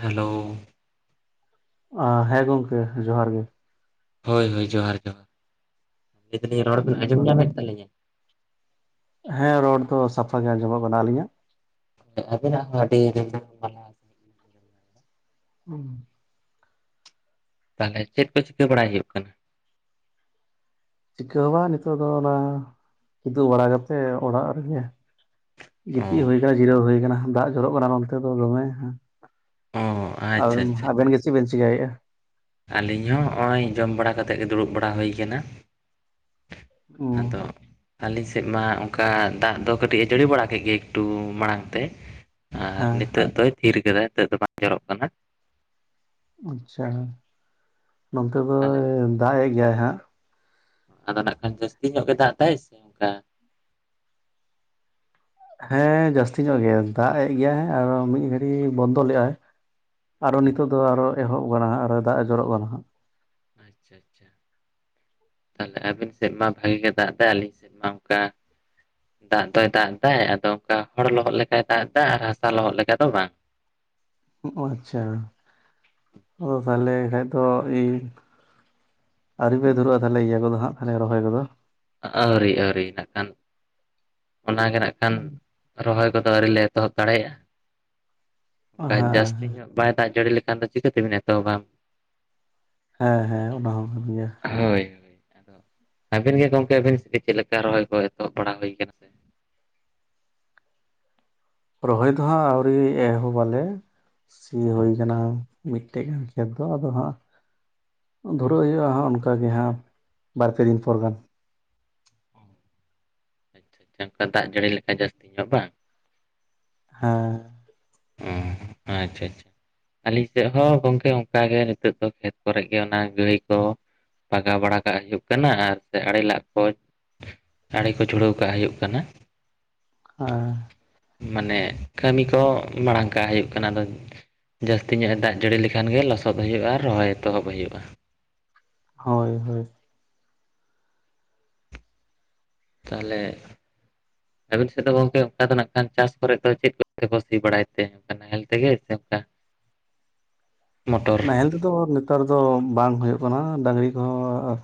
Hello ᱟ ᱦᱮᱸ ᱜᱚᱢᱠᱮ ᱡᱚᱦᱟᱨ ᱜᱮ, ᱦᱳᱭ ᱦᱳᱭ ᱡᱚᱦᱟᱨ ᱡᱚᱦᱟᱨ ᱞᱟᱹᱭ ᱫᱟᱞᱤᱧ ᱨᱚᱲ ᱵᱮᱱ ᱟᱸᱡᱚᱢ ᱧᱟᱢᱮᱫ ᱛᱟᱹᱞᱤᱧᱟ? ᱦᱮᱸ ᱨᱚᱲ ᱫᱚ ᱥᱟᱯᱷᱟ ᱜᱮ ᱟᱸᱡᱚᱢᱚᱜ ᱠᱟᱱᱟ᱾ ᱟᱹᱞᱤᱧᱟᱜ? ᱟᱹᱵᱤᱱᱟᱜ ᱦᱚᱸ ᱟᱹᱰᱤ ᱟᱹᱰᱤ ᱱᱟᱯᱟᱭ ᱦᱩᱸ ᱛᱟᱦᱚᱞᱮ ᱪᱮᱫ ᱠᱚ ᱪᱤᱠᱟᱹ ᱵᱟᱲᱟᱭ ᱦᱩᱭᱩᱜ ᱠᱟᱱᱟ? ᱪᱤᱠᱟᱹᱦᱚ ᱵᱟᱝ, ᱱᱤᱛᱚᱜ ᱫᱚ ᱚᱱᱟ ᱠᱤᱫᱩᱜ ᱵᱟᱲᱟ ᱠᱟᱛᱮ ᱚᱲᱟᱜ ᱨᱮᱜᱮ ᱚ ᱜᱤᱛᱤᱡ ᱦᱩᱭ ᱠᱟᱱᱟ ᱡᱤᱨᱟᱹᱣ ᱦᱩᱭ ᱠᱟᱱᱟ ᱫᱟᱜ ᱡᱚᱨᱚᱜ ᱠᱟᱱᱟ ᱱᱚᱱᱛᱮ ᱫᱚ ᱫᱚᱢᱮ᱾ ᱚ ᱟᱪᱪᱷᱟ ᱟᱢ ᱟᱪᱪᱷᱟ ᱟᱵᱮᱱ ᱟᱪᱪᱷᱟ ᱜᱮ ᱪᱮᱜ ᱵᱮᱱ ᱪᱤᱠᱟᱹᱭᱮᱜᱼᱟ? ᱟᱹᱞᱤᱧ ᱦᱚᱸ ᱦᱚᱜᱼᱚᱭ ᱡᱚᱢ ᱵᱟᱲᱟ ᱠᱟᱛᱮᱜ ᱜᱮ ᱫᱩᱲᱩᱵ ᱵᱟᱲᱟ ᱦᱩᱭ ᱠᱟᱱᱟ᱾ ᱟᱫᱚᱜ ᱟᱹᱞᱤᱧ ᱥᱮᱫ ᱢᱟ ᱚᱱᱠᱟ ᱫᱟᱜ ᱫᱚ ᱠᱟᱹᱴᱤᱡ ᱮ ᱡᱟᱹᱲᱤ ᱵᱟᱲᱟ ᱠᱮᱫ ᱜᱮ ᱮᱠᱴᱩ ᱢᱟᱲᱟᱝ ᱛᱮ ᱟᱨ ᱦᱮᱸ ᱱᱤᱛᱚᱜ ᱫᱚᱭ ᱛᱷᱤᱨ ᱠᱟᱫᱟ᱾ ᱱᱤᱛᱚᱜ ᱫᱚ ᱵᱟᱝ ᱡᱚᱨᱚᱜ ᱠᱟᱱᱟ᱾ ᱟᱪᱪᱷᱟ ᱱᱚᱱᱛᱮ ᱛᱟᱦᱚᱞᱮ ᱫᱚᱭ ᱫᱟᱜ ᱮᱜ ᱜᱮᱭᱟᱭ ᱦᱟᱸᱜ ᱟᱫᱚ ᱱᱟᱜ ᱠᱷᱟᱱ ᱡᱟᱹᱥᱛᱤ ᱧᱚᱜ ᱜᱮ ᱫᱟᱜ ᱫᱟᱭ ᱥᱮ ᱚᱱᱠᱟ ᱦᱮᱸ ᱡᱟᱹᱥᱛᱤ ᱧᱚᱜ ᱜᱮ ᱫᱟᱜ ᱮᱜ ᱜᱮᱭᱟᱭ ᱟᱨᱚ ᱢᱤᱫ ᱜᱷᱟᱹᱲᱤ ᱵᱚᱱᱫᱚ ᱞᱮᱜ-ᱟᱭ᱾ ᱟᱨᱚ ᱱᱤᱛᱚᱜ ᱫᱚ ᱟᱨᱚ ᱮᱦᱚᱵ ᱠᱟᱱᱟ ᱦᱟᱸᱜ ᱟᱨᱚ ᱫᱟᱜ ᱮ ᱡᱚᱨᱚᱜ ᱠᱟᱱᱟ ᱦᱟᱸᱜ᱾ ᱟᱪᱪᱷᱟ ᱟᱪᱪᱷᱟ ᱛᱟᱦᱞᱮ ᱟᱹᱵᱤᱱ ᱥᱮᱫ ᱢᱟ ᱵᱷᱟᱜᱤ ᱜᱮ ᱫᱟᱜ ᱮᱫᱟ᱾ ᱟᱹᱞᱤᱧ ᱥᱮᱫ ᱢᱟ ᱚᱱᱠᱟ ᱫᱟᱜ ᱫᱚᱭ ᱫᱟᱜ ᱮᱫᱟ ᱟᱫᱚ ᱚᱱᱠᱟ ᱦᱚᱲ ᱞᱚᱦᱚᱫ ᱞᱮᱠᱟᱭ ᱫᱟᱜ ᱮᱫᱟ ᱟᱨ ᱦᱟᱥᱟ ᱞᱚᱦᱚᱫ ᱞᱮᱠᱟ ᱫᱚ ᱵᱟᱝ ᱡᱚᱜ ᱚ ᱟᱪᱪᱷᱟ ᱟᱫᱚ ᱛᱟᱦᱞᱮ ᱠᱷᱟᱡ ᱫᱚ ᱤᱧ ᱟᱣᱨᱤᱯᱮ ᱫᱷᱩᱨᱟᱹᱜᱼᱟ ᱛᱟᱦᱚᱞᱮ ᱤᱭᱟᱹ ᱠᱚᱫᱚ ᱦᱟᱸᱜ ᱠᱷᱟᱱᱤ ᱨᱚᱦᱚᱭ ᱠᱚᱫᱚ ᱟᱹᱣᱨᱤ ᱟᱹᱣᱨᱤ ᱱᱟᱜ ᱠᱷᱟᱱ ᱚᱱᱟᱜᱮ ᱱᱟᱜ ᱠᱷᱟᱱ ᱦᱩᱸ ᱨᱚᱦᱚᱭ ᱠᱚᱫᱚ ᱟᱹᱨᱤ ᱞᱮ ᱮᱛᱚᱦᱚᱵ ᱫᱟᱲᱮᱭᱟᱜᱼᱟ ᱡᱟᱹᱥᱛᱤ ᱦᱮᱸ ᱧᱚᱜ ᱵᱟᱭ ᱫᱟᱜ ᱡᱟᱹᱲᱤ ᱞᱮᱠᱷᱟᱱ ᱫᱚ ᱪᱤᱠᱟᱹ ᱛᱮᱵᱤᱱ ᱮᱛᱚᱦᱚᱵ ᱟ ᱦᱮᱸ ᱦᱮᱸ ᱚᱱᱟ ᱦᱚᱸ ᱠᱟᱱ ᱜᱮᱭᱟ ᱦᱳᱭ ᱟᱫᱚ ᱟᱹᱵᱤᱱ ᱜᱮ ᱜᱚᱢᱠᱮ ᱟᱹᱵᱤᱱ ᱥᱮᱫ ᱪᱮᱫ ᱞᱮᱠᱟ ᱨᱚᱦᱚᱭ ᱠᱚ ᱮᱛᱚᱦᱚᱵ ᱵᱟᱲᱟ ᱦᱩᱭᱠᱟᱱᱟ ᱥᱮ ᱨᱚᱦᱚᱭ ᱫᱚᱦᱟᱸᱟᱜ ᱟᱹᱣᱨᱤ ᱮᱦᱚᱵ ᱵᱟᱞᱮ ᱥᱤ ᱦᱩᱭ ᱟᱠᱟᱱᱟ ᱢᱤᱫᱴᱮᱡ ᱜᱟᱱ ᱠᱷᱮᱛ ᱫᱚ ᱟᱫᱚ ᱦᱟᱸᱜ ᱫᱷᱩᱨᱟᱹ ᱦᱩᱭᱩᱜᱼᱟ ᱦᱟᱸᱜ ᱚᱱᱠᱟᱜ ᱜᱮ ᱦᱟᱸᱜ ᱵᱟᱨᱯᱮ ᱫᱤᱱ ᱯᱚᱨ ᱜᱟᱱ ᱮᱝᱠᱟ ᱫᱟᱜ ᱡᱟᱹᱲᱤ ᱞᱮᱠᱷᱟᱡ ᱡᱟᱹᱥᱛᱤ ᱧᱚᱜ ᱵᱟᱝ ᱦᱟᱸ ᱚᱸ ᱟᱪᱪᱷᱟ ᱟᱪᱪᱷᱟ ᱟᱹᱞᱤᱧ ᱥᱮᱫ ᱦᱚᱸ ᱜᱚᱝᱠᱮ ᱚᱱᱠᱟᱜ ᱜᱮ ᱱᱤᱛᱚᱜ ᱫᱚ ᱠᱷᱮᱛ ᱠᱚᱨᱮ ᱜᱮ ᱚᱱᱟ ᱜᱟᱹᱭ ᱠᱚ ᱯᱟᱜᱟᱣ ᱵᱟᱲᱟ ᱠᱟᱜ ᱦᱩᱭᱩᱜ ᱠᱟᱱᱟ ᱟᱨ ᱥᱮ ᱟᱹᱲᱮ ᱞᱟᱜ ᱠᱚᱡ ᱟᱲᱮ ᱠᱚ ᱪᱷᱩᱲᱟᱹᱣ ᱠᱟᱜ ᱦᱩᱭᱩᱜ ᱠᱟᱱᱟ ᱟᱸ ᱢᱟᱱᱮ ᱠᱟᱹᱢᱤ ᱠᱚ ᱢᱟᱲᱟᱝ ᱠᱟᱜ ᱦᱩᱭᱩᱜ ᱠᱟᱱᱟ ᱟᱫᱚ ᱡᱟᱹᱥᱛᱤ ᱧᱚᱜ ᱮ ᱫᱟᱜ ᱡᱟᱹᱲᱤ ᱞᱮᱠᱷᱟᱱ ᱜᱮ ᱞᱚᱥᱚᱫ ᱦᱩᱭᱩᱜᱼᱟ ᱨᱚᱦᱚᱭ ᱮᱛᱚᱦᱚᱵ ᱦᱩᱭᱩᱜᱼᱟ ᱦᱳᱭ ᱦᱳᱭ ᱛᱟᱦᱞᱮᱜ ᱟᱵᱤᱱ ᱥᱮᱫ ᱫᱚ ᱜᱚᱢᱠᱮ ᱚᱱᱠᱟ ᱫᱚ ᱱᱟᱜ ᱠᱷᱟᱱ ᱪᱟᱥ ᱠᱚᱨᱮ ᱫᱚ ᱪᱮᱫ ᱠᱚᱛᱮ ᱠᱚ ᱥᱤ ᱵᱟᱲᱟᱭ ᱛᱮ ᱱᱟᱦᱮᱞ ᱛᱮᱜᱮ ᱥᱮ ᱚᱱᱠᱟ [inaudible] ᱢᱚᱴᱚᱨ ᱱᱟᱦᱮᱞ ᱛᱮᱫᱚ ᱱᱮᱛᱟᱨ ᱫᱚ ᱵᱟᱝ ᱦᱩᱭᱩᱜ ᱠᱟᱱᱟ ᱰᱟᱝᱨᱤ ᱠᱚᱦᱚᱸ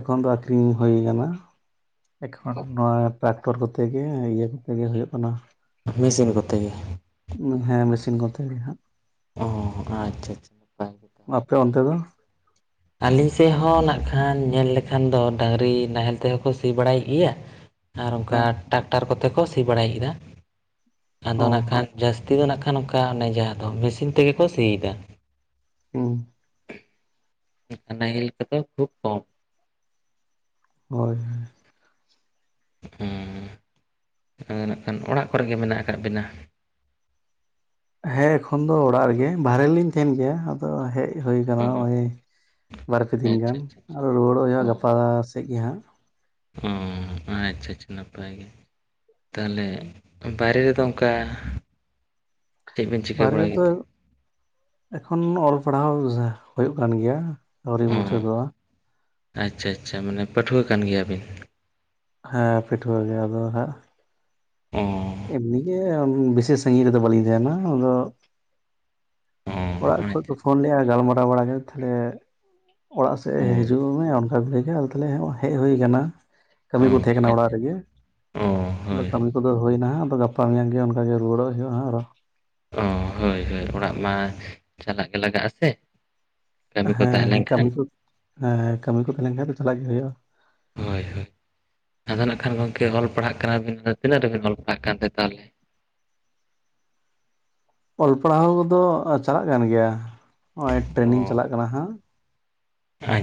ᱮᱠᱷᱚᱱ ᱫᱚ ᱟᱠᱷᱨᱤᱧ ᱦᱩᱭ ᱟᱠᱟᱱᱟ᱾ ᱮᱠᱷᱚᱱ ᱱᱚᱣᱟ ᱴᱨᱟᱠᱴᱚᱨ ᱠᱚᱛᱮ ᱜᱮ ᱤᱭᱟᱹ ᱠᱚᱛᱮ ᱜᱮ ᱦᱩᱭᱩᱜ ᱠᱟᱱᱟ᱾ ᱢᱮᱥᱤᱱ ᱠᱚᱛᱮ ᱜᱮ᱾ ᱦᱮᱸ ᱢᱮᱥᱤᱱ ᱠᱚᱛᱮ ᱜᱮ ᱦᱟᱸᱜ᱾ ᱚ ᱟᱪᱪᱷᱟ ᱟᱪᱪᱷᱟ ᱱᱟᱯᱟᱭ ᱜᱮ᱾ ᱟᱯᱮ ᱚᱱᱛᱮ ᱫᱚ? ᱟᱞᱮ ᱥᱮᱫ ᱦᱚᱸ ᱱᱟᱜ ᱠᱷᱟᱱ ᱧᱮᱞ ᱞᱮᱠᱷᱟᱱ ᱫᱚ ᱰᱟᱹᱟᱝᱨᱤ ᱱᱟᱦᱮᱞ ᱛᱮᱦᱚᱸ ᱠᱚ ᱥᱤ ᱵᱟᱲᱟᱭᱮᱫ ᱜᱮᱭᱟ᱾ ᱟᱨ ᱚᱱᱠᱟ ᱦᱮᱸ ᱴᱨᱟᱠᱴᱟᱨ ᱠᱚᱛᱮ ᱠᱚ ᱥᱤ ᱵᱟᱲᱟᱭᱮᱫᱟ ᱾ ᱟᱫᱚ ᱚ ᱱᱟᱜ ᱠᱷᱟᱱ ᱡᱟᱹᱥᱛᱤ ᱫᱚ ᱱᱟᱜ ᱠᱷᱟᱱ ᱚᱱᱠᱟ ᱚᱱᱮ ᱡᱟᱦᱟᱸ ᱫᱚ ᱢᱮᱥᱤᱱ ᱛᱮᱜᱮ ᱠᱚ ᱥᱤᱭᱮᱫᱟ᱾ ᱦᱩᱸ ᱱᱟᱦᱮᱞ ᱠᱚᱫᱚ ᱠᱷᱩᱵ ᱠᱚᱢ ᱦᱳᱭ ᱦᱩᱸ ᱦᱮᱸ ᱱᱟᱜ ᱠᱷᱟᱱ ᱚᱲᱟᱜ ᱠᱚᱨᱮᱜ ᱜᱮ ᱢᱮᱱᱟᱜ ᱟᱠᱟᱫ ᱵᱤᱱᱟ? ᱦᱮᱸ ᱮᱠᱷᱚᱱ ᱫᱚ ᱚᱲᱟᱜ ᱨᱮᱜᱮ, ᱵᱟᱨᱦᱮ ᱨᱮ ᱞᱤᱧ ᱛᱟᱦᱮᱱ ᱜᱮᱭᱟ᱾ ᱦᱮᱡ ᱦᱩᱭ ᱟᱠᱟᱱᱟ ᱚ ᱱᱚᱜ ᱵᱟᱨ ᱯᱮ ᱫᱤᱱ ᱟᱪᱪᱷᱟ ᱜᱟᱱ ᱟᱪᱪᱷᱟ ᱟᱪᱪᱷᱟ ᱨᱩᱣᱟᱹᱲᱚᱜ ᱦᱩᱭᱩᱜᱼᱟ ᱜᱟᱯᱟ ᱚ ᱥᱮᱫ ᱜᱮ ᱦᱟᱸᱜ᱾ ᱚ ᱟᱪᱪᱷᱟ ᱟᱪᱪᱷᱟ ᱱᱟᱯᱟᱭ ᱜᱮ ᱾ ᱛᱟᱦᱚᱞᱮ ᱵᱟᱦᱨᱮ ᱨᱮᱫᱚ ᱚᱱᱠᱟ, ᱪᱮᱫ ᱵᱤᱱ ᱪᱤᱠᱟᱹ ᱵᱟᱨᱦᱮ ᱵᱟᱲᱟᱭ ᱨᱮᱫᱚ ᱜᱮᱛᱮ ᱮᱠᱷᱚᱱ ᱚᱞ ᱯᱟᱲᱦᱟᱣ ᱦᱩᱭᱩᱜ ᱠᱟᱱ ᱜᱮᱭᱟ᱾ ᱟᱹᱣᱨᱤ ᱚ ᱢᱩᱪᱟᱹᱫ ᱫᱚᱜᱼᱟ᱾ ᱟᱪᱪᱷᱟ ᱟᱪᱪᱷᱟ ᱢᱟᱱᱮ ᱯᱟᱹᱴᱷᱩᱣᱟᱹ ᱠᱟᱱ ᱜᱮᱭᱟᱵᱤᱱ? ᱦᱮᱸ ᱯᱤᱴᱷᱩᱣᱟᱹ ᱜᱮ ᱟᱫᱚ ᱦᱟᱸᱜ ᱚᱻ ᱮᱢᱱᱤ ᱜᱮ ᱵᱤᱥᱮ ᱥᱟᱺᱜᱤᱧ ᱨᱮᱫᱚ ᱵᱟᱞᱤᱧ ᱛᱟᱦᱮᱱᱟ ᱟᱫᱚ ᱚ ᱚᱲᱟᱜ ᱟᱪᱪᱷᱟ ᱠᱷᱚᱡ ᱠᱚ ᱟᱪᱪᱷᱟ ᱯᱷᱳᱱ ᱞᱮᱼᱟ ᱜᱟᱞᱢᱟᱨᱟᱣ ᱵᱟᱲᱟ ᱠᱟᱛᱮ ᱛᱟᱦᱞᱮ ᱚᱲᱟᱜ ᱥᱮᱫ ᱮ ᱚ ᱦᱤᱡᱩᱜ ᱚᱱᱠᱟ ᱠᱚᱮ ᱟ ᱛᱟᱦᱮ ᱦᱮᱡ ᱦᱩᱭ ᱠᱟᱱᱟ ᱠᱟᱹᱢᱤ ᱚ ᱠᱚ ᱛᱟᱦᱮᱸ ᱠᱟᱱᱟ ᱚᱲᱟᱜ ᱟᱪᱪᱷᱟ ᱨᱮᱜᱮ, ᱚ ᱟᱫᱚ ᱦᱳᱭ ᱦᱳᱭ ᱠᱟᱹᱢᱤ ᱠᱚᱫᱚ ᱦᱩᱭᱱᱟ ᱟᱫᱚ ᱜᱟᱯᱟ ᱜᱟᱯᱟ ᱢᱮᱭᱟᱝ ᱜᱮ ᱚᱱᱠᱟᱜᱮ ᱨᱩᱭᱟᱹᱲᱚᱜ ᱦᱩᱭᱩᱜᱼᱟ ᱦᱟᱸᱜ ᱟᱨᱚ ᱚ ᱦᱳᱭ ᱦᱳᱭ ᱚᱲᱟᱜ ᱢᱟ ᱪᱟᱞᱟᱜ ᱜᱮ ᱞᱟᱜᱟᱜᱼᱟ ᱥᱮ᱾ ᱠᱟᱹᱢᱤ ᱠᱚ ᱛᱟᱦᱮᱸ ᱦᱮᱸ ᱠᱟᱹᱢᱤ ᱞᱮᱱᱠᱷᱟᱱ ᱠᱚ ᱦᱮᱸ ᱠᱟᱹᱢᱤ ᱠᱚ ᱛᱟᱦᱮᱸ ᱞᱮᱱ ᱠᱷᱟᱡ ᱫᱚ ᱪᱟᱞᱟᱜ ᱜᱮ ᱦᱩᱭᱩᱜᱼᱟ᱾ ᱦᱳᱭ ᱦᱳᱭ ᱟᱫᱚ ᱱᱟᱜ ᱠᱷᱟᱱ ᱜᱚᱢᱠᱮ ᱚᱞ ᱯᱟᱲᱦᱟᱜ ᱠᱟᱱᱟ ᱵᱤᱱ ᱟᱫᱚ, ᱛᱤᱱᱟᱹᱜ ᱨᱮᱵᱤᱱ ᱚᱞ ᱯᱟᱲᱦᱟᱜ ᱠᱟᱱᱛᱮ ᱛᱟᱦᱚᱞᱮ? ᱚᱞ ᱯᱟᱲᱦᱟᱣ ᱠᱚᱫᱚ ᱪᱟᱞᱟᱜ ᱠᱟᱱ ᱜᱮᱭᱟ, ᱱᱚᱜᱼᱚᱭ ᱴᱨᱮᱱᱤᱝ ᱚ ᱪᱟᱞᱟᱜ ᱠᱟᱱᱟ ᱦᱟᱸᱜ᱾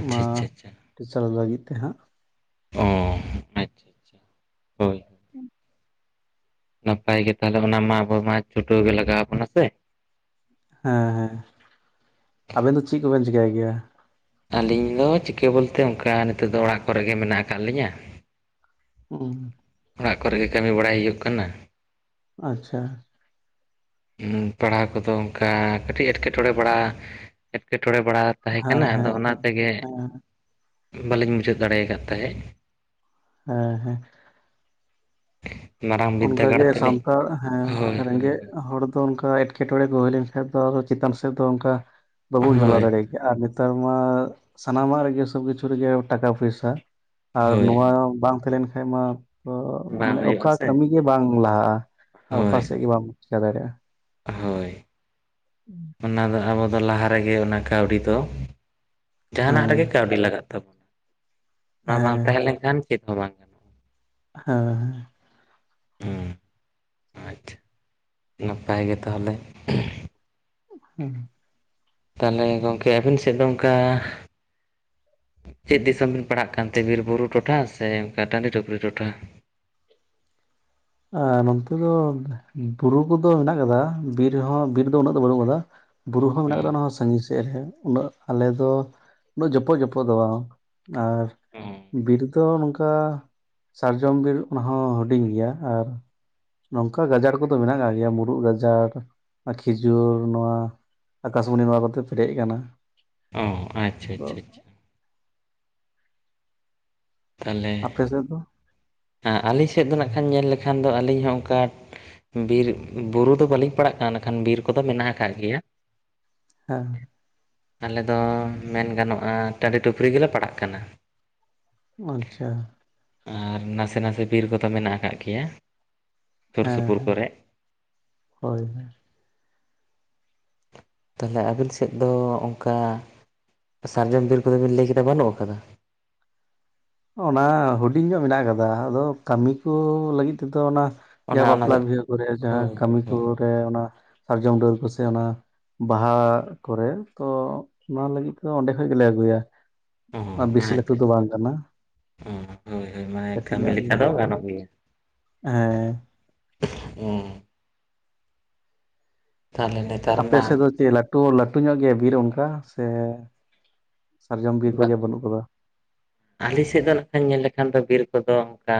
ᱚᱱᱟ ᱟᱪᱪᱷᱟ ᱟᱪᱪᱷᱟ ᱴᱤᱪᱟᱨ ᱞᱟᱹᱜᱤᱫ ᱛᱮᱦᱟᱸᱜ᱾ ᱚ ᱟᱪᱪᱷᱟ ᱟᱪᱪᱷᱟ ᱦᱳᱭ ᱦᱮᱸ [unintelligible] ᱱᱟᱯᱟᱭ ᱜᱮ ᱛᱟᱦᱚᱞᱮ ᱚᱱᱟ ᱢᱟ ᱟᱵᱚ ᱢᱟ ᱪᱷᱩᱴᱟᱹᱣ ᱜᱮ ᱞᱟᱜᱟᱣ ᱟᱵᱚᱱᱟ ᱥᱮ᱾ ᱦᱮᱸ ᱦᱮᱸ, ᱟᱵᱮᱱ ᱫᱚ ᱪᱮᱫ ᱠᱚᱵᱮᱱ ᱪᱤᱠᱟᱹᱭ ᱜᱮᱭᱟ? ᱟᱹᱞᱤᱧ ᱫᱚ ᱪᱤᱠᱟᱹ ᱵᱚᱞᱛᱮ ᱚᱱᱠᱟ ᱱᱤᱛᱚᱜ ᱫᱚ ᱚᱲᱟᱜ ᱠᱚᱨᱮ ᱜᱮ ᱢᱮᱱᱟᱜ ᱟᱠᱟᱫ ᱞᱤᱧᱟᱹ᱾ [unintelligible] ᱚᱲᱟᱜ ᱠᱚᱨᱮ ᱜᱮ ᱠᱟᱹᱢᱤ ᱵᱟᱲᱟᱭ ᱦᱩᱭᱩᱜ ᱠᱟᱱᱟ᱾ ᱟᱪᱪᱷᱟ ᱯᱟᱲᱦᱟᱣ ᱠᱚᱫᱚ ᱚᱱᱠᱟ ᱠᱟᱹᱴᱤᱡ ᱮᱴᱠᱮᱴᱚᱬᱮ ᱮᱴᱠᱮ ᱴᱚᱬᱮ ᱵᱟᱲᱟ ᱛᱟᱦᱮᱸ ᱦᱮᱸ ᱠᱟᱱᱟ ᱟᱫᱚ ᱦᱮᱸ ᱚᱱᱟ ᱛᱮᱜᱮ ᱦᱮᱸ ᱵᱟᱹᱞᱤᱧ ᱢᱩᱪᱟᱹᱫ ᱫᱟᱲᱮ ᱟᱠᱟᱫ ᱛᱟᱦᱮᱸᱫ ᱦᱮᱸ ᱦᱮᱸ ᱢᱟᱨᱟᱝ ᱵᱤᱫᱽᱫᱟᱹᱜᱟᱲ ᱚᱱᱠᱟᱜᱮ ᱛᱮᱞᱤᱧ ᱥᱟᱱᱛᱟᱲ ᱦᱳᱭ ᱦᱳᱭ ᱨᱮᱸᱜᱮᱡ ᱦᱚᱲ ᱚᱱᱠᱟ ᱮᱴᱠᱮᱴᱚᱬᱮ ᱠᱚ ᱦᱩᱭ ᱞᱮᱱᱠᱷᱟᱱ ᱫᱚ ᱪᱮᱛᱟᱱ ᱥᱮᱫ ᱫᱚ ᱚᱱᱠᱟ ᱵᱟᱵᱚᱱ ᱪᱟᱞᱟᱣ ᱦᱳᱭ ᱦᱳᱭ ᱫᱟᱲᱮᱭᱟᱜ ᱜᱮᱭᱟ ᱟᱨ ᱱᱮᱛᱟᱨ ᱢᱟ ᱥᱟᱱᱟᱢᱟᱜ ᱨᱮᱜᱮ ᱥᱚᱵ ᱠᱤᱪᱷᱩ ᱨᱮᱜᱮ ᱴᱟᱠᱟ ᱯᱚᱭᱥᱟ᱾ ᱟᱨ ᱦᱳᱭ ᱱᱚᱣᱟ ᱵᱟᱝ ᱛᱟᱦᱮᱸ ᱞᱮᱱ ᱠᱷᱟᱡ ᱢᱟ ᱵᱟᱝ ᱢᱟᱱᱮ ᱦᱩᱭᱩᱜᱼᱟ ᱚᱠᱟ ᱥᱮ ᱠᱟᱹᱢᱤ ᱜᱮ ᱵᱟᱝ ᱞᱟᱦᱟᱜᱼᱟ ᱚᱠᱟ ᱦᱳᱭ ᱥᱮᱜ ᱜᱮ ᱦᱳᱭ ᱵᱟᱢ ᱪᱤᱠᱟ ᱫᱟᱲᱮᱭᱟᱜᱼᱟ᱾ ᱦᱳᱭ ᱦᱮᱸ [unintelligible] ᱚᱱᱟ ᱫᱚ ᱟᱵᱚ ᱞᱟᱦᱟ ᱨᱮᱜᱮ ᱚᱱᱟ ᱠᱟᱹᱣᱰᱤ ᱫᱚ ᱡᱟᱦᱟᱱᱟᱜ ᱦᱮᱸ ᱨᱮᱜᱮ ᱠᱟᱹᱣᱰᱤ ᱞᱟᱜᱟᱜ ᱛᱟᱵᱚᱱᱟ ᱚᱱᱟ ᱵᱟᱝ ᱦᱮᱸ ᱛᱟᱦᱮᱸ ᱞᱮᱱᱠᱷᱟᱱ ᱪᱮᱫ ᱦᱚᱸ ᱵᱟᱝ ᱜᱟᱱᱚᱜᱼᱟ ᱦᱮᱸ ᱟᱪᱪᱷᱟ ᱱᱟᱯᱟᱭ ᱜᱮ ᱛᱟᱦᱚᱞᱮ ᱦᱮᱸ ᱛᱟᱦᱚᱞᱮ ᱜᱚᱢᱠᱮ ᱟᱵᱤᱱ ᱥᱮᱫ ᱫᱚ ᱚᱱᱠᱟ ᱪᱮᱫ ᱫᱤᱥᱚᱢ ᱵᱤᱱ ᱯᱟᱲᱣᱜ ᱠᱟᱱ ᱛᱮ ᱵᱤᱨ ᱵᱩᱨᱩ ᱴᱚᱴᱷᱟ ᱥᱮ ᱚᱱᱠᱟ ᱴᱟᱺᱰᱤ ᱰᱩᱝᱨᱤ ᱴᱚᱴᱷᱟ ᱱᱚᱛᱮ ᱫᱚ ᱵᱩᱨᱩ ᱠᱚᱫᱚ ᱢᱮᱱᱟᱜ ᱟᱠᱟᱫᱟ ᱵᱤᱨ ᱦᱚᱸ ᱵᱤᱨ ᱫᱚ ᱩᱱᱟᱹᱜ ᱫᱚ ᱵᱟᱹᱱᱩᱜ ᱟᱠᱟᱫᱟ ᱵᱩᱨᱩ ᱦᱚᱸ ᱚ ᱢᱮᱱᱟᱜ ᱟᱠᱟᱫᱟ ᱚᱱᱟ ᱥᱟᱜᱤᱧ ᱥᱮᱫ ᱨᱮ ᱩᱱᱟᱹᱜ ᱟᱞᱮ ᱫᱚ ᱩᱱᱟᱹᱜ ᱡᱚᱯᱚᱜᱼᱡᱚᱯᱚᱜ ᱫᱚ ᱵᱟᱝᱼᱟ ᱟᱨ ᱵᱤᱨ ᱫᱚ ᱱᱚᱝᱠᱟ ᱥᱟᱨᱡᱚᱢ ᱵᱤᱨ ᱚᱱᱟ ᱦᱚᱸ ᱦᱩᱰᱤᱧ ᱜᱮᱭᱟ ᱟᱨ ᱱᱚᱝᱠᱟ ᱜᱟᱡᱟᱲ ᱠᱚᱫᱚ ᱢᱮᱱᱟᱜ ᱟᱠᱟᱫ ᱜᱮᱭᱟ ᱢᱩᱨᱩᱫ ᱜᱟᱡᱟᱲ ᱠᱷᱤᱡᱩᱨ ᱱᱚᱣᱟ ᱟᱠᱟᱥᱢᱚᱱᱤ ᱱᱚᱣᱟ ᱠᱟᱛᱮ ᱯᱮᱨᱮᱡ ᱠᱟᱱᱟ ᱚᱸᱻ ᱟᱪᱪᱷᱟ ᱟᱪᱪᱷᱟ ᱟᱪᱷᱟ ᱟᱯᱮ ᱥᱮᱫ ᱫᱚ? ᱟᱞᱮ‌ ᱥᱮᱫ ᱫᱚ ᱱᱟᱜ ᱠᱷᱟᱱ ᱧᱮᱞ ᱞᱮᱠᱷᱟᱱ ᱫᱚ ᱟᱹᱞᱤᱧ ᱦᱚᱸ ᱚᱱᱠᱟ᱾ ᱵᱤᱨ ᱵᱩᱨᱩ ᱫᱚ ᱵᱟᱹᱞᱤᱧ ᱯᱟᱲᱟᱜ ᱠᱟᱱᱟ ᱢᱮᱱᱠᱷᱟᱱ ᱵᱤᱨ ᱠᱚᱫᱚ ᱢᱮᱱᱟᱜ ᱟᱠᱟᱫ ᱜᱮᱭᱟ ᱦᱮᱸ ᱟᱞᱮ ᱫᱚ ᱢᱮᱱ ᱜᱟᱱᱚᱜᱼᱟ ᱴᱟᱺᱰᱤ ᱰᱩᱝᱨᱤ ᱜᱮᱞᱮ ᱯᱟᱲᱟᱜ ᱠᱟᱱᱟ ᱟᱪᱪᱷᱟ ᱟᱨ ᱱᱟᱥᱮ ᱱᱟᱥᱮ ᱵᱤᱨ ᱠᱚᱫᱚ ᱢᱮᱱᱟᱜ ᱟᱠᱟᱫ ᱜᱮᱭᱟ ᱥᱩᱨ ᱦᱮᱸ ᱥᱩᱯᱩᱨ ᱦᱮᱸ ᱠᱚᱨᱮ ᱦᱳᱭ ᱦᱳᱭ ᱛᱟᱦᱚᱞᱮ ᱟᱵᱤᱱ ᱥᱮᱫ ᱫᱚ ᱚᱱᱠᱟ ᱥᱟᱨᱡᱚᱢ ᱵᱤᱨ ᱠᱚᱫᱚ ᱵᱤᱱ ᱞᱟᱹᱭ ᱠᱮᱫᱟ ᱵᱟᱹᱱᱩᱜ ᱟᱠᱟᱫᱟ ᱚᱱᱟ ᱦᱩᱰᱤᱧ ᱧᱚᱜ ᱢᱮᱱᱟᱜ ᱟᱠᱟᱫᱟ ᱟᱫᱚ ᱠᱟᱹᱢᱤ ᱠᱚ ᱞᱟᱹᱜᱤᱫ ᱛᱮᱫᱚ ᱚᱱᱟ ᱚᱱᱟ ᱡᱟᱦᱟᱸ ᱚᱱᱟ ᱵᱟᱯᱞᱟ ᱫᱚ ᱵᱤᱦᱟᱹ ᱠᱚᱨᱮ ᱡᱟᱦᱟᱸ ᱦᱳᱭ ᱠᱟᱹᱢᱤ ᱦᱳᱭ ᱠᱚᱨᱮ ᱚᱱᱟ ᱥᱟᱨᱡᱚᱢ ᱰᱟᱹᱨ ᱠᱚᱥᱮ ᱚᱱᱟ ᱵᱟᱦᱟ ᱠᱚᱨᱮ ᱛᱚ ᱚᱱᱟ ᱞᱟᱹᱜᱤᱫ ᱫᱚ ᱚᱸᱰᱮ ᱠᱷᱚᱱ ᱜᱮᱞᱮ ᱟᱹᱜᱩᱭᱟ᱾ ᱚᱸᱻ ᱵᱮᱥᱤ ᱞᱟᱹᱴᱩ ᱟᱪᱪᱷᱟ ᱫᱚ ᱟᱪᱪᱷᱟ ᱵᱟᱝ ᱠᱟᱱᱟ ᱚᱸ ᱦᱳᱭ ᱦᱳᱭ ᱢᱟᱱᱮ ᱠᱟᱹᱴᱤᱡ ᱠᱟᱹᱢᱤ ᱧᱚᱜ ᱞᱮᱠᱟ ᱜᱮᱭᱟ ᱫᱚ ᱜᱟᱱᱚᱜ ᱜᱮᱣᱟ ᱦᱮᱸ ᱦᱩᱸ ᱛᱷᱟᱞᱮ ᱞᱮ ᱟᱯᱮ ᱥᱮᱫ ᱫᱚ ᱪᱮᱫ ᱞᱟᱹᱴᱩᱼᱞᱟᱹᱴᱩ ᱧᱚᱜ ᱜᱮᱣᱟ ᱵᱤᱨ ᱚᱱᱠᱟ ᱥᱮ ᱥᱟᱨᱡᱚᱢ ᱵᱤᱨ ᱠᱚᱜᱮ ᱵᱟᱹᱱᱩᱜ ᱜᱚᱫᱟ᱾ ᱟᱞᱮ ᱥᱮᱫ ᱫᱚ ᱱᱟᱠᱷᱟᱱ ᱧᱮᱞ ᱞᱮᱠᱷᱟᱱ ᱫᱚ ᱵᱤᱨ ᱠᱚᱫᱚ ᱚᱱᱠᱟ᱾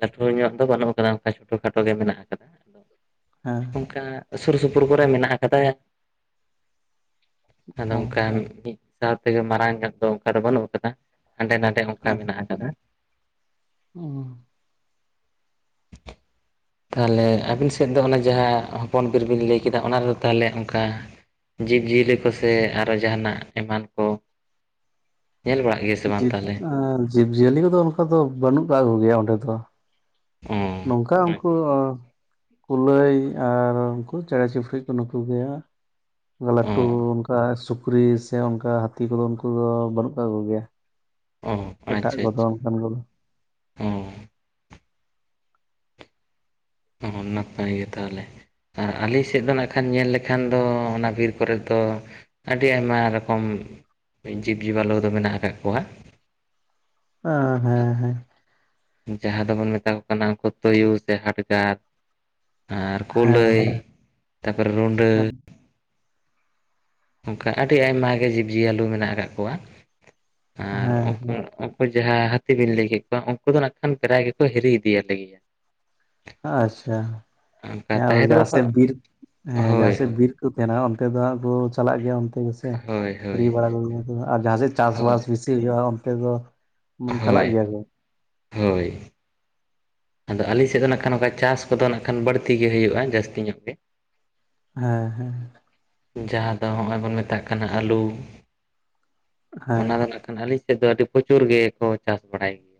ᱞᱟᱹᱴᱩ ᱧᱚᱜ ᱫᱚ ᱵᱟᱹᱱᱩᱜ ᱟᱠᱟᱫᱟ ᱚᱱᱠᱟ ᱪᱷᱳᱴᱳᱼᱠᱷᱟᱴᱳ ᱜᱮ ᱢᱮᱱᱟᱜ ᱟᱠᱟᱫᱟ᱾ ᱦᱮᱸ ᱥᱩᱨᱼᱥᱩᱯᱩᱨ ᱠᱚᱨᱮ ᱢᱮᱱᱟᱜ ᱟᱠᱟᱫᱟ ᱟᱫᱚ ᱦᱮᱸ ᱚᱝᱠᱟᱱ᱾ ᱥᱟᱶᱛᱮ ᱢᱟᱨᱟᱝ ᱱᱚᱜ ᱫᱚ ᱚᱱᱠᱟ ᱫᱚ ᱵᱟᱹᱱᱩᱜ ᱟᱠᱟᱫᱟ ᱦᱟᱸᱰᱮ ᱱᱟᱰᱮ ᱚᱱᱠᱟ ᱢᱮᱱᱟᱜ ᱟᱠᱟᱫᱟ᱾ ᱷᱩᱸ [unintelligible] ᱛᱟᱦᱚᱞᱮ ᱟᱹᱵᱤᱱ ᱥᱮᱫ ᱫᱚ ᱚᱱᱟ ᱡᱟᱦᱟᱸ ᱦᱚᱯᱚᱱ ᱵᱤᱨ ᱵᱤᱱ ᱞᱟᱹᱭ ᱠᱮᱫᱟ ᱚᱱᱟ ᱨᱮᱫᱚ ᱛᱟᱦᱚᱞᱮ ᱚᱱᱠᱟ᱾ ᱡᱤᱵᱽᱼᱡᱤᱭᱟᱹᱞᱤ ᱠᱚᱥᱮ ᱟᱨᱦᱚᱸ ᱡᱟᱦᱟᱱᱟᱜ ᱮᱢᱟᱱ ᱠᱚ ᱧᱮᱞ ᱵᱟᱲᱟ᱾? ᱡᱤᱵᱽᱼᱡᱤᱭᱟᱹᱞᱤ ᱠᱚᱫᱚ ᱚᱱᱠᱟ ᱫᱚ ᱵᱟᱹᱱᱩᱜ ᱟᱠᱟᱜ ᱠᱚᱜᱮᱭᱟ ᱚᱸᱰᱮ ᱫᱚ᱾ ᱚ ᱱᱚᱝᱠᱟ ᱩᱱᱠᱩ ᱟᱪᱪᱷᱟ ᱟᱪᱪᱷᱟ ᱠᱩᱞᱟᱹᱭ ᱟᱨ ᱩᱱᱠᱩ ᱪᱮᱬᱮᱸ ᱪᱤᱯᱲᱩ ᱠᱚ ᱱᱩᱠᱩ ᱜᱮᱣᱟ ᱚ ᱞᱟᱹᱴᱩ ᱚᱱᱠᱟ ᱥᱩᱠᱨᱤ ᱥᱮ ᱚᱱᱠᱟ ᱦᱟᱹᱛᱤ ᱠᱚᱫᱚ ᱩᱱᱠᱩ ᱫᱚ ᱵᱟᱹᱱᱩᱜ ᱠᱟᱜ ᱠᱚ ᱜᱮᱭᱟ ᱚ ᱮᱴᱟᱜ ᱠᱚᱫᱚ ᱚᱱᱠᱟᱱ ᱠᱚᱫᱚ᱾ ᱦᱮᱸ ᱦᱚᱸ ᱦᱚᱸ ᱱᱟᱯᱟᱭ ᱜᱮ ᱛᱟᱦᱚᱞᱮ ᱟᱨ ᱟᱞᱮ ᱥᱮᱫ ᱫᱚ ᱱᱟᱜ ᱠᱷᱟᱱ ᱧᱮᱞ ᱞᱮᱠᱷᱟᱱ ᱫᱚ ᱚᱱᱟ ᱵᱤᱨ ᱠᱚᱨᱮ ᱫᱚ ᱟᱹᱰᱤ ᱟᱭᱢᱟ ᱨᱚᱠᱚᱢ ᱡᱤᱵᱽᱼᱡᱤᱵᱟᱹ ᱞᱚ ᱫᱚ ᱢᱮᱱᱟᱜ ᱟᱠᱟᱫ ᱠᱚᱣᱟ ᱦᱟ ᱦᱮᱸ ᱦᱮᱸ ᱡᱟᱦᱟᱸ ᱫᱚᱵᱚᱱ ᱢᱮᱛᱟ ᱠᱚ ᱠᱟᱱᱟ ᱩᱱᱠᱩ ᱛᱩᱭᱩ ᱥᱮ ᱦᱟᱴᱜᱟᱨ ᱟᱨ ᱦᱮᱸ ᱠᱩᱞᱟᱹᱭ ᱛᱟᱯᱚᱨᱮ ᱨᱩᱸᱰᱟᱹ ᱦᱮᱸ ᱚᱱᱠᱟ ᱟᱹᱰᱤ ᱟᱭᱢᱟ ᱜᱮ ᱡᱤᱵᱽᱼᱡᱤᱭᱟᱹᱞᱩ ᱢᱮᱱᱟᱜ ᱟᱠᱟᱫ ᱠᱚᱣᱟ ᱟᱨ ᱦᱮᱸ ᱩᱱᱠᱩ ᱦᱮᱸ ᱩᱱᱠᱩ ᱡᱟᱦᱟᱸ ᱦᱟᱹᱛᱤ ᱵᱤᱱ ᱞᱟᱹᱭ ᱠᱮᱫ ᱠᱚᱣᱟ ᱩᱱᱠᱩ ᱫᱚ ᱱᱟᱜ ᱠᱷᱟᱱ ᱯᱮᱲᱟᱭ ᱜᱮᱠᱚ ᱦᱤᱨᱤ ᱤᱫᱤ ᱭᱟᱞᱮ ᱜᱮᱭᱟ᱾ ᱟᱪᱪᱷᱟ ᱚᱱᱠᱟ ᱛᱟᱦᱮᱸ ᱫᱚ ᱵᱟᱠᱚ ᱡᱟᱦᱟᱸᱥᱮ ᱵᱤᱨ ᱦᱮᱸ ᱦᱳᱭ ᱡᱟᱦᱟᱸᱥᱮ ᱦᱳᱭ ᱵᱤᱨ ᱛᱟᱦᱮᱱᱟ ᱚᱱᱛᱮ ᱫᱚ ᱦᱚᱜ ᱠᱚ ᱪᱟᱞᱟᱜ ᱜᱮᱭᱟ ᱚᱱᱛᱮ ᱜᱮ ᱟᱨ ᱦᱳᱭ ᱦᱤᱨᱤ ᱵᱟᱨᱟ ᱠᱚᱜᱮ ᱟᱢ ᱥᱮ ᱵᱟᱝ ᱡᱟᱦᱟᱸ ᱥᱮᱫ ᱪᱟᱥᱵᱟᱥ ᱦᱳᱭ ᱵᱮᱥᱤ ᱦᱩᱭᱩᱜᱼᱟ ᱚᱱᱛᱮ ᱫᱚ᱾ ᱢᱟᱱᱮ ᱪᱟᱞᱟᱜ ᱦᱳᱭ ᱜᱮᱭᱟ ᱠᱚ ᱦᱳᱭ ᱟᱫᱚ ᱟᱞᱤᱧ ᱥᱮᱫ ᱫᱚ ᱱᱟᱠᱷᱟᱡ ᱱᱚᱝᱠᱟ ᱪᱟᱥ᱾ ᱱᱤᱛᱚᱜ ᱫᱚ ‌ᱱᱟᱜ ᱠᱷᱟᱱ ᱵᱟᱹᱲᱛᱤ ᱜᱮ ᱦᱩᱭᱩᱜᱼᱟ ᱡᱟᱹᱥᱛᱤ ᱧᱚᱜ ᱜᱮ ᱦᱮᱸ ᱦᱮᱸ ᱡᱟᱦᱟᱸ ᱫᱚ ᱱᱚᱜᱼᱚᱭ ᱵᱚᱱ ᱢᱮᱛᱟᱜ ᱠᱟᱱᱟ ᱟᱹᱞᱩ ᱦᱮᱸ ᱚᱱᱟ ᱫᱚ ᱟᱹᱞᱤᱧ ᱥᱮᱫ ᱫᱚ ᱟᱹᱰᱤ ᱯᱨᱚᱪᱩᱨ ᱜᱮᱠᱚ ᱪᱟᱥ ᱵᱟᱲᱟᱭ ᱜᱮᱭᱟ᱾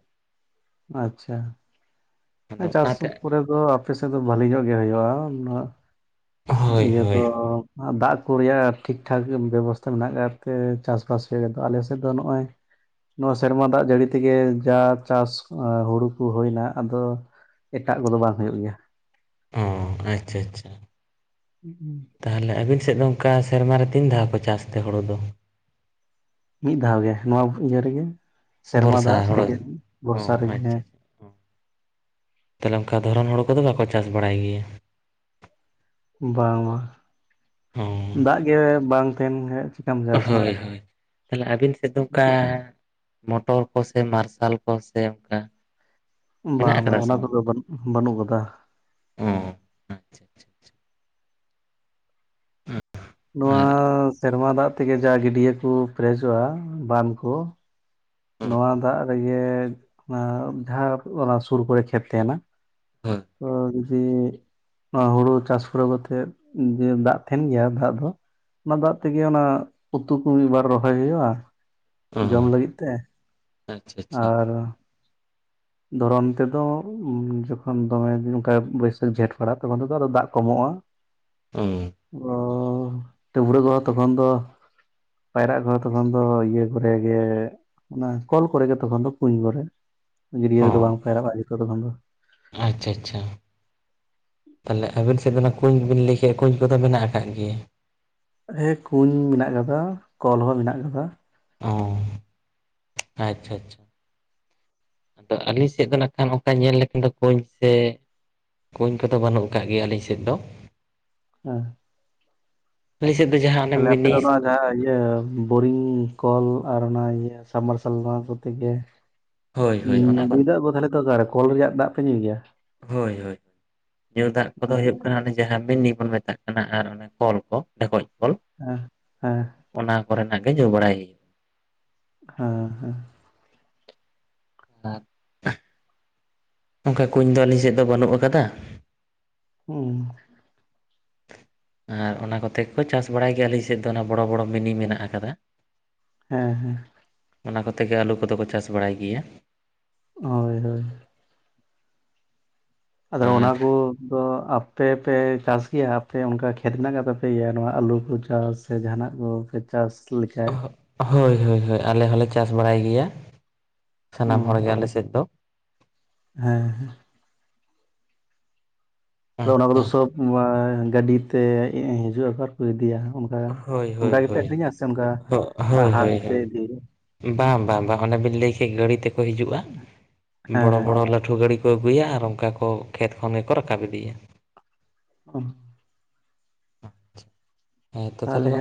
ᱟᱪᱪᱷᱟ ᱟᱫᱚ ᱪᱟᱥ ᱚᱱᱟᱛᱮ ᱠᱚᱨᱮ ᱫᱚ ᱟᱯᱮ ᱥᱮᱫ ᱫᱚ ᱵᱷᱟᱞᱤ ᱧᱚᱜ ᱜᱮ ᱦᱩᱭᱩᱜᱼᱟ ᱦᱳᱭ ᱤᱭᱟᱹ ᱫᱚ ᱦᱳᱭ ᱫᱟᱜ ᱠᱚ ᱨᱮᱭᱟᱜ ᱴᱷᱤᱠ ᱴᱷᱟᱠ ᱵᱮᱵᱚᱥᱛᱷᱟ ᱢᱮᱱᱟᱜ ᱟᱠᱟᱫᱟᱛᱮ ᱪᱟᱥᱵᱟᱥ ᱨᱮᱫᱚ ᱟᱞᱮ ᱥᱮᱫ ᱫᱚ ᱱᱚᱜᱼᱚᱭ ᱱᱚᱣᱟ ᱥᱮᱨᱢᱟ ᱫᱟᱜ ᱡᱟᱹᱲᱤ ᱛᱮᱜᱮ ᱡᱟ ᱪᱟᱥ ᱦᱩᱲᱩ ᱠᱚ ᱦᱩᱭᱱᱟ ᱟᱫᱚ ᱮᱴᱟᱜ ᱠᱚᱫᱚ ᱵᱟᱝ ᱦᱩᱭᱩᱜ ᱜᱮᱭᱟ ᱚ ᱟᱪᱪᱷᱟ ᱟᱪᱪᱷᱟ [unintelligible] ᱛᱟᱦᱞᱮ ᱟᱹᱵᱤᱱ ᱥᱮᱫ ᱫᱚ ᱚᱱᱠᱟ ᱥᱮᱨᱢᱟ ᱨᱮ ᱛᱤᱱ ᱫᱷᱟᱣ ᱠᱚ ᱪᱟᱥ ᱛᱮ ᱦᱳᱲᱩ ᱫᱚ? ᱢᱤᱫ ᱫᱷᱟᱣ ᱜᱮ ᱱᱚᱣᱟ ᱤᱭᱟᱹ ᱨᱮᱜᱮ ᱥᱮᱨᱢᱟ ᱫᱟᱜ ᱵᱚᱨᱥᱟ ᱦᱳᱲᱳ ᱛᱮᱜᱮ ᱵᱚᱨᱥᱟ ᱚ ᱨᱮᱜᱮ ᱛᱟᱦᱞᱮ ᱚᱱᱠᱟ ᱫᱷᱚᱨᱚᱱ ᱦᱳᱲ ᱠᱚᱫᱚ ᱵᱟᱠᱚ ᱪᱟᱥ ᱵᱟᱲᱟᱭ ᱜᱮᱭᱟ ᱵᱟᱝ ᱵᱟᱝ ᱚ ᱫᱟᱜ ᱜᱮ ᱵᱟᱝ ᱛᱟᱦᱮᱱ ᱠᱷᱟᱱ ᱦᱳᱭ ᱦᱳᱭ ᱛᱟᱦᱞᱮ ᱟᱹᱵᱤᱱ ᱥᱮᱫ ᱫᱚ ᱚᱝᱠᱟ ᱢᱚᱴᱚᱨ ᱠᱚᱥᱮ ᱢᱟᱨᱥᱟᱞ ᱠᱚᱥᱮ ᱚᱱᱠᱟ ᱵᱟᱝ ᱢᱮᱱᱟᱜ ᱵᱟᱝ ᱟᱠᱟᱫᱟ ᱚᱱᱟ ᱠᱚᱫᱚ ᱵᱟᱹᱱ ᱵᱟᱹᱱᱩᱜ ᱟᱠᱟᱫᱟ ᱦᱩᱸ ᱱᱚᱣᱟ ᱟᱨ ᱥᱮᱨᱢᱟ ᱫᱟᱜ ᱛᱮᱜᱮ ᱡᱟ ᱜᱤᱰᱭᱟᱹ ᱠᱚ ᱯᱮᱨᱮᱪᱚᱜᱼᱟ ᱵᱟᱸᱫᱷ ᱠᱚ ᱱᱚᱣᱟ ᱫᱟᱜ ᱨᱮᱜᱮ ᱡᱟᱦᱟᱸ ᱚᱱᱟ ᱥᱩᱨ ᱠᱚᱨᱮ ᱠᱷᱮᱛ ᱛᱟᱦᱮᱱᱟ ᱦᱮᱸ ᱟᱨ ᱡᱮ ᱱᱚᱣᱟ ᱦᱩᱲᱩ ᱪᱟᱥ ᱯᱩᱨᱟᱹᱣ ᱠᱟᱛᱮᱜ ᱡᱮ ᱫᱟᱜ ᱛᱟᱦᱮᱱ ᱜᱮᱭᱟ ᱫᱟᱜ ᱫᱚ ᱚᱱᱟ ᱫᱟᱜ ᱛᱮᱜᱮ ᱚᱱᱟ ᱩᱛᱩ ᱠᱚ ᱢᱤᱫᱵᱟᱨ ᱨᱚᱦᱚᱭ ᱦᱩᱭᱩᱜᱼᱟ, ᱡᱚᱢ ᱚ ᱞᱟᱹᱜᱤᱫ ᱛᱮ᱾ ᱟᱪᱪᱷᱟ ᱟᱪᱪᱷᱟ ᱟᱨ ᱫᱷᱚᱨᱚᱱ ᱛᱮᱫᱚ ᱡᱚᱠᱷᱚᱱ ᱫᱚᱢᱮ ᱚᱱᱠᱟ ᱵᱟᱹᱭᱥᱟᱹᱠᱷ ᱡᱷᱮᱸᱴ ᱯᱟᱲᱟᱜᱼᱟ ᱛᱚᱠᱷᱚᱱ ᱛᱮᱫᱚ ᱟᱨᱚ ᱫᱟᱜ ᱠᱚᱢᱚᱜᱼᱟ᱾ [inaudible] [unintelligible] ᱚ ᱰᱟᱹᱵᱽᱨᱟᱹ ᱠᱚ ᱛᱚᱠᱷᱚᱱ ᱫᱚ ᱯᱟᱭᱨᱟᱜ ᱠᱚ ᱛᱚᱠᱷᱚᱱ ᱫᱚ ᱤᱭᱟᱹ ᱠᱚᱨᱮ ᱜᱮ ᱚᱱᱟ ᱠᱚᱞ ᱠᱚᱨᱮ ᱜᱮ ᱛᱚᱠᱷᱚᱱ ᱫᱚ ᱠᱩᱧ ᱠᱚᱨᱮ ᱜᱟ. ᱫᱤᱭᱟᱹ ᱨᱮ ᱫᱚ ᱚ ᱵᱟᱝ ᱯᱷᱟᱭᱨᱟᱜᱼᱟ ᱛᱚᱠᱷᱚᱱ ᱫᱚ ᱟᱪᱪᱷᱟ ᱟᱪᱪᱷᱟ ᱛᱟᱦᱞᱮ ᱟᱵᱤᱱ ᱥᱮᱫ ᱫᱚ ᱚᱱᱟ ᱠᱩᱸᱧ ᱵᱤᱱ ᱞᱟᱹᱭ ᱠᱮᱜᱼᱟ ᱠᱩᱧ ᱠᱚᱫᱚ ᱢᱮᱱᱟᱜ ᱟᱠᱟᱫ ᱜᱮᱭᱟ ᱦᱮ ᱠᱩᱸᱧ ᱢᱮᱱᱟᱜ ᱟᱠᱟᱫᱟ, ᱠᱚᱞ ᱦᱚᱸ ᱢᱮᱱᱟᱜ ᱟᱠᱟᱫᱟ᱾ ᱚᱸᱦ ᱟᱪᱪᱷᱟ ᱟᱪᱪᱷᱟ ᱟᱫᱚ ᱟᱹᱞᱤᱧ ᱥᱮᱫ ᱫᱚ ᱱᱟᱜ ᱠᱷᱟᱱ ᱚᱱᱠᱟ ᱧᱮᱞ ᱞᱮᱠᱷᱟᱱ ᱫᱚ ᱠᱩᱧ ᱥᱮ ᱠᱩᱧ ᱠᱚᱫᱚ ᱵᱟᱹᱱᱩᱜ ᱟᱠᱟᱜ ᱜᱮᱭᱟ ᱟᱹᱞᱤᱧ ᱥᱮᱫ ᱫᱚ [unintelligible] ᱟᱞᱮ ᱥᱮᱫ ᱫᱚ ᱡᱟᱦᱟᱸ ᱚᱱᱮ ᱛᱟᱦᱞᱮ ᱟᱯᱮ ᱫᱚ ᱢᱤᱱᱤᱥ ᱱᱚᱣᱟ ᱡᱟᱦᱟᱸ ᱤᱭᱟᱹ ᱵᱳᱨᱤᱝ ᱠᱚᱞ ᱟᱨ ᱚᱱᱟ ᱤᱭᱟᱹ ᱥᱟᱵᱢᱟᱨᱥᱟᱞ ᱱᱚᱣᱟ ᱠᱚᱛᱮᱜ ᱜᱮ᱾ ᱦᱳᱭ ᱦᱩᱸ ᱦᱳᱭ ᱚᱱᱟ ᱠᱚ ᱧᱩᱭ ᱫᱟᱜ ᱫᱚ ᱛᱟᱦᱞᱮ ᱫᱚ ᱚᱠᱟᱨ ᱠᱚᱞ ᱨᱮᱭᱟᱜ ᱫᱟᱜ ᱯᱮ ᱧᱩᱭ ᱜᱮᱣᱟ? ᱦᱳᱭ ᱦᱳᱭ ᱧᱩ ᱫᱟᱜ ᱠᱚᱫᱚ ᱦᱮᱸ ᱦᱩᱭᱩᱜ ᱠᱟᱱᱟ ᱚᱱᱮ ᱡᱟᱦᱟᱸ ᱢᱤᱱᱤ ᱵᱚᱱ ᱢᱮᱛᱟᱜ ᱠᱟᱱᱟ ᱟᱨ ᱚᱱᱮ ᱠᱚᱞ ᱠᱚ ᱰᱷᱮᱠᱚᱡ ᱠᱚᱞ᱾ ᱦᱚᱸ ᱦᱮᱸ ᱚᱱᱟ ᱠᱚᱨᱮᱱᱟᱜ ᱜᱮ ᱧᱩ ᱵᱟᱲᱟᱭ ᱦᱩᱭᱩᱜᱼᱟ᱾ ᱦᱮᱸ ᱦᱮᱸ ᱟᱨ ᱚᱱᱠᱟ ᱠᱩᱧ ᱫᱚ ᱟᱹᱞᱤᱧ ᱥᱮᱫ ᱫᱚ ᱵᱟᱹᱱᱩᱜ ᱟᱠᱟᱫᱟ᱾ ᱦᱩᱸ ᱟᱨ ᱚᱱᱟ ᱠᱚᱛᱮ ᱠᱚ ᱪᱟᱥ ᱵᱟᱲᱟᱭ ᱜᱮᱣᱟ ᱟᱹᱞᱤᱧ ᱥᱮᱫ ᱫᱚ ᱚᱱᱟ ᱵᱚᱲᱚ ᱵᱚᱲᱚ ᱢᱤᱱᱤ ᱢᱮᱱᱟᱜ ᱟᱠᱟᱫᱟ᱾ ᱦᱮᱸ ᱦᱮᱸ ᱚᱱᱟ ᱠᱚᱛᱮ ᱜᱮ ᱟᱹᱞᱩ ᱠᱚᱫᱚ ᱠᱚ ᱪᱟᱥ ᱵᱟᱲᱟᱭ ᱜᱮᱭᱟ ᱦᱳᱭ ᱦᱳᱭ ᱟᱫᱚ ᱟᱨ ᱚᱱᱟᱠᱩ ᱟᱫᱚ ᱟᱯᱮ ᱯᱮ ᱪᱟᱥ ᱜᱮᱣᱟ ᱟᱯᱮ ᱚᱱᱠᱟ ᱠᱷᱮᱛ ᱢᱮᱱᱟᱜ ᱠᱟᱛ ᱛᱟᱯᱮ ᱜᱮᱣᱟ ᱱᱚᱣᱟ ᱟᱞᱩ ᱠᱚ ᱪᱟᱥ᱾ ᱥᱮ ᱡᱟᱦᱟᱱᱟᱜ ᱠᱚᱯᱮ ᱪᱟᱥ ᱞᱮᱠᱟ᱾ ᱦᱳᱭ ᱦᱳᱭ ᱦᱳᱭ ᱟᱞᱮ ᱦᱚᱸᱞᱮ ᱪᱟᱥ ᱵᱟᱲᱟᱭ ᱜᱮᱣᱟ ᱥᱟᱱᱟᱢ ᱦᱩᱸ ᱦᱚᱲ ᱜᱮ ᱟᱞᱮ ᱥᱮᱫ ᱫᱚ᱾ ᱦᱮᱸ ᱦᱮᱸ ᱟᱫᱚ ᱚᱱᱟ ᱠᱚᱫᱚ ᱟᱪᱪᱷᱟ ᱥᱚᱵ ᱜᱟᱹᱰᱤᱛᱮ ᱦᱤᱡᱩᱜᱼᱟ ᱟᱨ ᱠᱚ ᱤᱫᱤᱭᱟ ᱩᱸ ᱦᱳᱭ ᱦᱳᱭ ᱚᱱᱠᱟ ᱜᱮᱯᱮ ᱦᱳᱭ ᱟᱹᱠᱷᱨᱤᱧᱟ ᱥᱮ ᱚᱱᱠᱟ ᱦᱳᱭ ᱦᱳᱭ ᱦᱟᱴᱛᱮ ᱦᱳᱭ ᱤᱫᱤ ᱦᱩᱭᱩᱜᱼᱟ ᱵᱟᱝ ᱵᱟᱝ ᱵᱟᱝ ᱚᱱᱮ ᱵᱤᱱ ᱞᱟᱹᱭ ᱠᱮᱫ ᱜᱟᱹᱲᱤ ᱛᱮᱠᱚ ᱦᱤᱡᱩᱜᱼᱟ ᱦᱮᱸ ᱵᱚᱲᱚ ᱦᱮᱸ ᱵᱚᱲᱚ ᱞᱟᱹ ᱞᱟᱹᱴᱷᱩ ᱜᱟᱹᱲᱤ ᱠᱚ ᱟᱹᱜᱩᱭᱟ ᱟᱨ ᱚᱱᱠᱟ ᱠᱚ ᱠᱷᱮᱛ ᱠᱷᱚᱱ ᱜᱮᱠᱚ ᱨᱟᱠᱟᱵ ᱤᱫᱤᱭᱟ ᱚ ᱟᱪᱪᱷᱟ ᱦᱮᱸ ᱛᱚ ᱛᱟᱦᱚᱞᱮ ᱫᱚ